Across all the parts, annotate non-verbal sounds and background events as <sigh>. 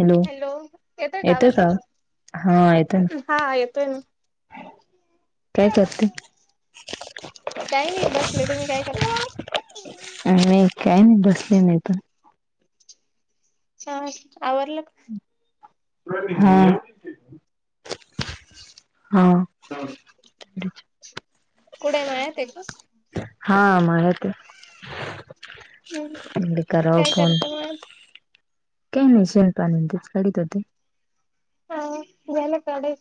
Hello येतंय का हा येतय हा येतोय ना हो काही नाही बसले तुम्ही काय करता नाही काही नाही बसले नाही तर च आवरलं प हा हा कुड म ते ब हा मा ते हम्म डी का काय फोन करता मग काय नाही शल् पाणी सडीत ते हा बल कडे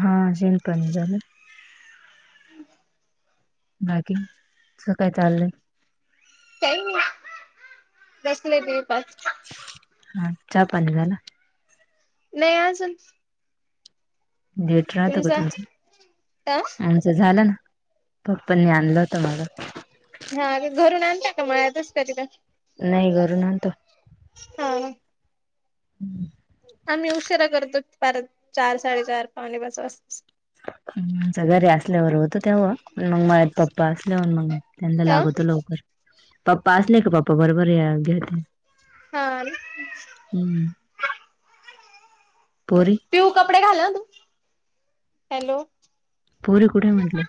हा चिंता नाही झालं हम् बाकी तं काय चाललंय का बसले त पाच हा चहा पाणी झालं नाही अजून ेट राहत ग तुमचा अ तुमचं झालं ना पप्पांनी आणलं होत मला हा घरून आणता का मळ्यातच कधी तर नाही घरून आणतो हा हम्म आम्ही उशिरा करतो परार चार साडेचार पावणे बस वात ह स घरी असल्यावर होतं तेव्हा मग माझ्यात पप्पा असले होून मग त्यांना अ लागवतो लवकर पप्पा असले का पप्पा बरोबर घ्या हा हम्म परी पिऊ कपडे घाला तू हॅलो पोरी कुठे म्हटले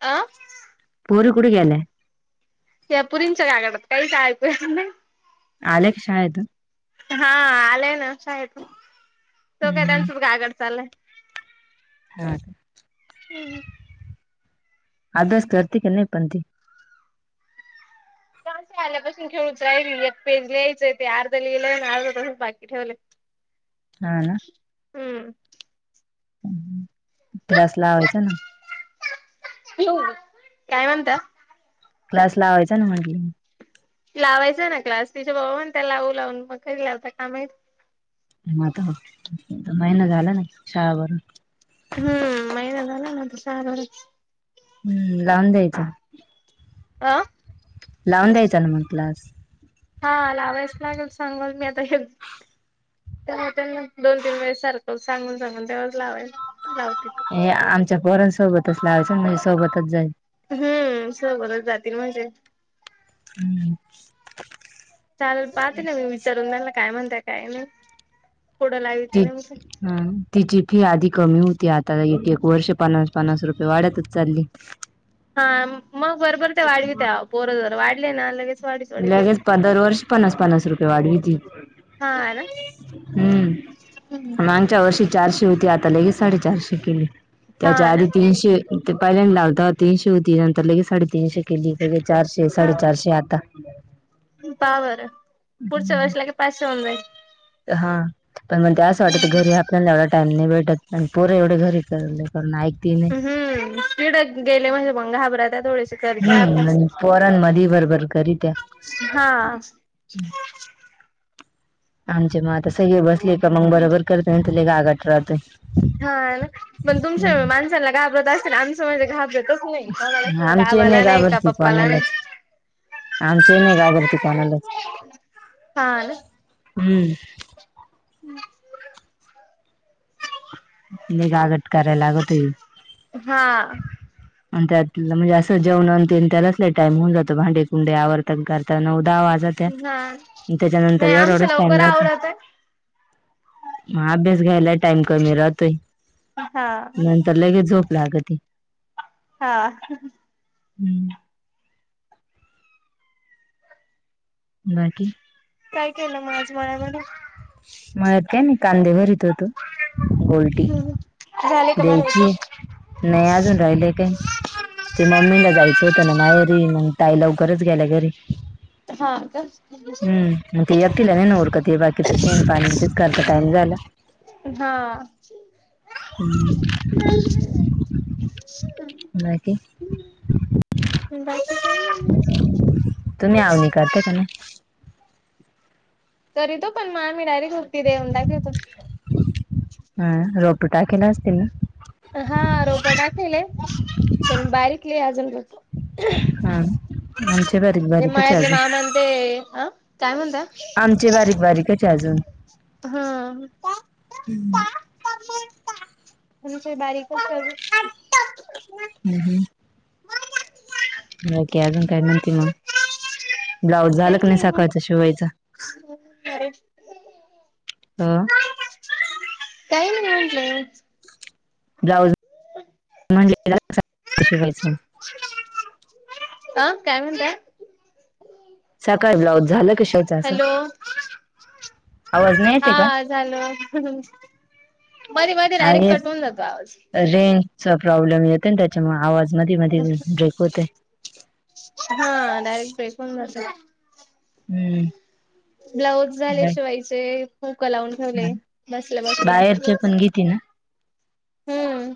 आ पुूर कुठ गेले त्या पुरींच्या का काडतात काही का ऐकूया आले क शा येत हा आलंय ना शाळेतून तो हम्म काय हम्म त्यांसद्धा आगड चाललंय हा हम् आध अस करती के नाही पणती ं आल्यापासून खेळूच राहिल एक पेज लिहायचंय ते अर्ध लिहिलंय आणि अर्धा पाासून बाकी ठेवलं हा ना हम्म थलास लावायचां ना हो काय म्हणता क्लास लावायचा ना म्हटज लावायचा ना क्लास तिच्या बाबा पण त्या लावू लावून मग करी लावता का माही मता महिन झालं ना श बरून हम्म महिन झाला ना <unintelligible> हम्म लांब ये ते आ लावून द्यायचां ना मग क्लास हा लावायच लागेल सांगल मी आता तेव्हा त्यांना दोन तीन वेळेस सारखं सांगून सांगून तेव्हाच लावायल लावतील. हे आमच्या पोरांनासोबतच लावायचं ना म्हणजे सोबतच जाईल. हम्म सोबतच जातील म्हणजे हम्म चालेल पाहते ना मी विचारून त्यांना काय म्हणताय काय नाही कुड लावी तीत हम तिची फी आधी कमी होती आता एक एक वर्ष पन्नास पन्नास रुपये वाढ्तच चालली. हा मग बरोबर ते वाढवीत्या आओ पोर जर वाढले ना लगेच वाढीत वाढीत लगेच येत्या दरवर्षी पन्नास पन्नास रुपये वाढवीती. हा ना हम्म च्या वर्षी चारशे होती, आता लगे साडे चारशे केली त्याच्या हा ना आधी तीनशे ते पहिल्यांदा लाव तीनशे होती. लगेच साडे तीनशे केली, लगेच चारशे, साडे हा चारशे आत्ता <inaudible> पहा बरं पुढच्या वर्ष लगेच पाचशे होऊन जाईल. हा पण म्हण ते असं वाटत घरी आपल्याला एवढा टाइम नाय भेटत पोर एवढे घरी करून ऐकती नाही. हम्, तिड गेले म्हणजे घाबरत्यात थोडे हम्म, आण पोरमधी बरबर करित्या हा आमचे मग आता सगळे बसले का मग बरोबर करतय नाही तर लय गागत राहतोय. हा पण तुमच्या हम्म माणसांना घाबरत असतील, ना आमचं म्हणजे घाबरत <unintelligible> नाही कोणालाचनाही आमचे बाबाला नाही का घाबरती पप्पाला नाही कोणालाच आमचे नाही घाबरती कोणालाच. हा ना हम्म <inaudible> लय गागट कराय लागतोय हा आणि त्यातल म्हणजे असं जेवण अन तेन त्यालाच लय टाइम होऊन जातो भांडे कुंडे आवरता करता नऊ दहा वाजत्या हा त्या त्याच्यानंतर नाही एवढा आमचं एवढाच टाइम लवकर राहतो. आवरतय. म अभ्यास घ्यायला टाइम कमी राहतो. हा नंतर लगेच झोप लागती. हा हम्म बाकी काय केलं म आज मळ्यामध्ये? मळ्यात काय नाही कांदे भरीत होतो गोलटी हम्म झाले का बरोबर द्यायची आहे नाय अजून राहिलं काही. ते मम्मी ना जायचं होत ना माहेरी मग ताई लवकरच गेल्या घरी. हा का हं मग ते एकटीला नाही न उरकत ते बाकीच शेन पाणी तेच करता टाईम झाला. हा <inaudible> हम्म बाकी बाकी काय नाही. <unintelligible> <unintelligible> करीतो पण मा मी डायरेक उक्ती देऊन टाकीतो. हा रोप टाकीना कीं ना हा रोप टाखिले पण बारीक लय अजून रोप हा आमचे बारीक ते बारीकच आहे मळ्यातले अजून मामा अन ते अ काय म्हणताय? आमचे बारीक बारीकचे अजून हा <unintelligible> आमचं ही बारीकचे अजून हं हं बाकी अजून काय म्हणती मंग काय नाही मग शिवायचं अ काही नाही म्हटलं ब्लाऊज म्हणलेल तसंच शिवायच. अ काय म्हणताय? सकाळी ब्लाऊज झालं का शिवून हॅलो आवाज नाही येते का हा झाल. मधी मधी डायरेक आहे कट होऊन जातो आवाज रेंजचा प्रॉब्लेम येतोय ना त्याच्यामुळ आवाज मधी मधी ब्रेक होतय. हा डायरेक ब्रेक होऊन जातोय. हम ब्लाऊज झाले शिवायचे हूक लावून ठेवले बसल्या बसल्या कितीना हम्म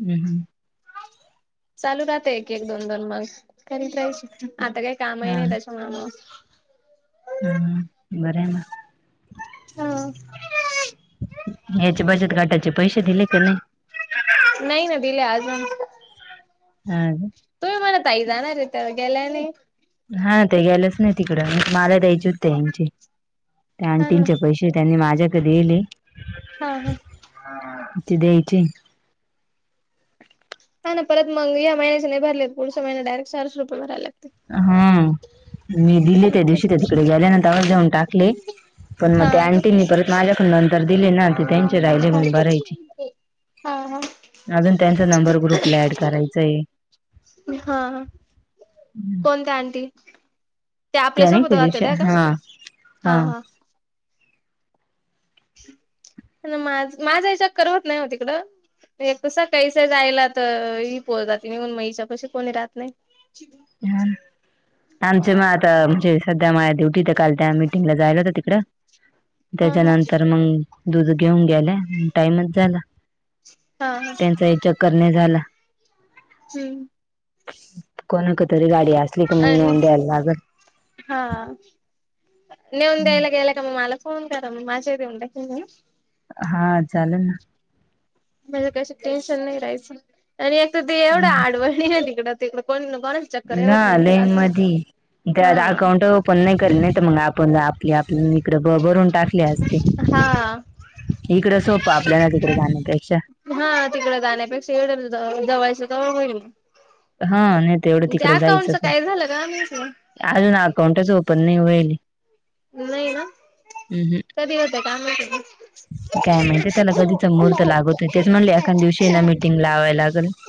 हम हम चालू राहतय एक एक दोन दोन मस करीत राहायची आता काही कामही हा नाही त्याच्यामूळ म हम्म बरंय मग हा. याचे बचत गटाचे पैसे दिले का नाही? <inaudible> नाही ना दिले अजून हा का तूम्ही मला ताई जानारे त्या गेलाय नाही हा त्या गेल्याच नाही तिकडं <inaudible> नाहीतर मला द्यायचे होते त्या ह्यांचे त्या हा आंटींचे ना पैसे ते त्यांनी माझ्याकडं दियलय हा हा <inaudible> ते द्यायचेत हा ना परत मग या महिन्याचे नाही भरले तर पुढच्या महिन्यात डायरेक्ट चारशे रुपये भराय लागते हा मी दिले त्या दिवशी त्या तिकडे गेल्या ना तवाच देऊन टाकले <inaudible> पण मग हा त्या का आंटींनी परत माझ्याकड नंतर दिले ना ते त्यांचे राहिले म्हणून भरायचे हा हा <inaudible> अजून त्यांचा नंबर ग्रुपला ऍड करायचाय हा- हा कोणत्या आंटी? त्या नाही आपल्यासोबत होत्या दिवशी त्या का हा हा- हा पण माझं -माझाही चक्कर होत नाही हो तिकडं एक तर सकाळीच आहे जायला तर ही पोर जाती निघून मग हिच्यापाशी कोणी राहत नाही हा आमचे मग आता म्हणजे सध्या माया ड्युटी तिथं काल त्या मीटिंगला जायला होतं तिकडं हा हा त्याच्यानंतर मंग दुध घेऊन गेल्या मग टाइमच झाला हा हा त्यांचाही चक्कर नाही झाला हम्म कोणाक तरी गाडी असली की मग आणि नेऊन द्यायला लागल हा नेऊन द्यायला गेला का मग मला फोन करा मग माझेही देऊन टाकीन मी हा हा चालल ना म्हणजे कशी टेन्शन नाही राहायचं आणि एक तर ते एवढं आडवळणी <inaudible> आहे तिकडं तिकडं कोण- कोण ना लाईन मधी डायरेक्ट अकाउंट हा ओपन नाही करल नाही तर मग आपण आपली -आपण इकडं भ -भरून टाकले असते <inaudible> हा इकडं सोपं आपल्याला तिकडं जाण्यापेक्षा हा तिकडं जाण्यापेक्षा <inaudible> इकडं जवळच्या जवळ होईल हा नाही तर एवढं त्या तिकडे जायचं अकाउंटच काय झालं <inaudible> ग <unintelligible> काय माहीती अजून अकाउंटच ओपन नाही होयले नाही ना कधी होतंय काय माहीती <inaudible> काय माहिती त्याला कधीचा मुहूर्त लागतोय तेच म्हणले एखाद्या दिवशीये ना मिटिंग लावाय लागल <inaudible> <inaudible>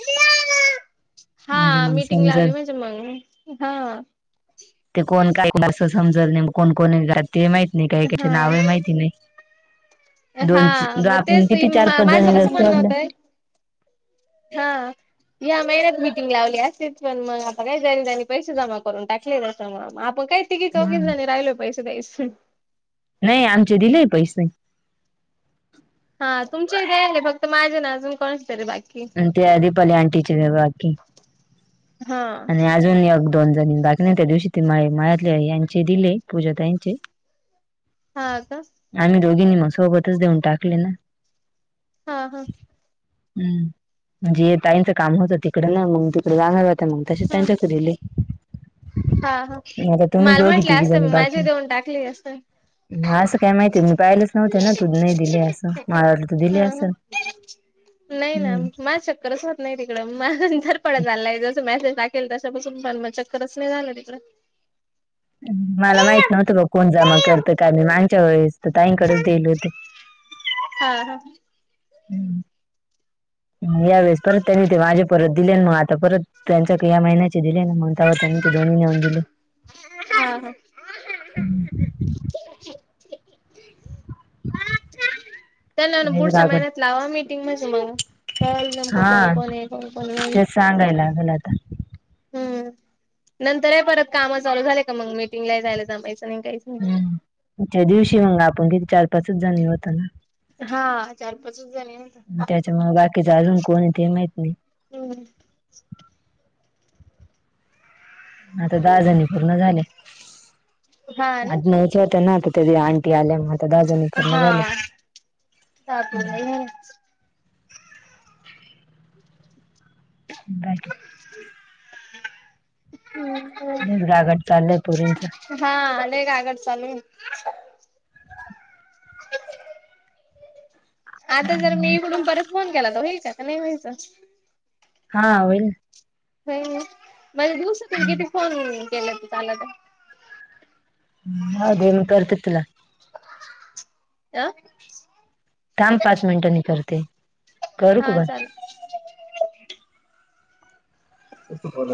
म्हणजे हा मग मीटिंग समजल लावली म्हणजे मंग हा <inaudible> ते कोण काय -कसं समजल नेमकं कोण कोण आहेत ते माहीती नाही काही काहीची नावही हा माहिती नाही हा दोन मग आपण तेच ताई किती चार पाच माझं जणी जर कसं <unintelligible> म्हणणं सोडलं होतंय हा या महिन्यात मीटिंग लावली असतीच पण मग आता काय ज्यांनी -ज्यांनी पैसे जमा करून टाकले त्याच्यामुळं मग आपण काहीच तिघी हा चौघीच जणी राहिलोय पैसे द्यायचे <inaudible> नाही आमचे दिलेय पैसे हा तुमचे <inaudible> दियेले फक्त माझे आणि अजून कोणाचे तरी बाकीये पण त्या आधी पल्या आंटीचे ते बाकी हा आणि अजून एक दोन जणी बाकीये त्या दिवशी ती माळी मळ्यातली यांचे दिले पूजा ताईंचे हा का आम्ही दोघींनी मग सोबतच देऊन टाकले ना हा- हा हम्म म्हणजे ताईंचं काम होतं तिकडं ना मग तिकडं जाणार होते मंग तसे हा त्यांच्या चरिले हा हा माल दोघी म्हटले तिघी असते जणी मग बाकी माझी देऊन टाकली असत. असं काय माहिती मी पाहिलंच नव्हते ना तू नाही दिले असं माला वाटल तू दिले हा हा असल. नाही ना माझ चक्करच नाही तिकडं मांजर पडत आलय जसं मेसेज टाकेल तशापासून पण मग चक्करच नाही झालं तिकडं मला माहित नव्हतं बघ कोण जमा करत का मी मागच्या वेळेस त ताईंकडेच दिल होत. हा हा हम्म यावेेळेस परत त्यांनी ते माझे परत दिले ना म आता परत त्यांच्याक या महिन्याचे दिले ना मग म तवा त्यांनी ते दोनी नेऊन दिले. हा हा हा <inaudible> त्याना ना तुम्ही बी पुढच्या लागल. महिन्यात लावा मीटिंग म्हणजे मग त्यावेळेला नेमक कोण हा कोणये कोण कोण नाही. तेच सांगायला लागल आता हम् नंतरे परत काम चालू झाले का मग मीटिंगला जायला जमायचं नाही काहीच नाही. हम्म त्या दिवशी मंग आपण किती चार पाचच जनी होतोना हा चार पाचच जणी होतो. त्याच्यामुळ बाकीच अजून कोणते माहीत नाही. हम्म आता दहा जणी पूर्ण झाले हा ना. आज नच होते ना ते त्यादि अंटी आल्या मग त्या दहाजनी पूर्ण झाल्या. हा. <unintelligible> बायका हम्म बच गागड चाललंय पुरींच हा अले का आगड चालू <inaudible> आता जर मी म्हणून परत फोन केला तर व्हायचा का नाही व्हायचं हा होईल. हो नाही मला दिवस त किती हम्म. फोन केला त त्याला तर ह म कररततीला अ थांब पाच मिनटंनी करते करूक हा बण चालेल. त ब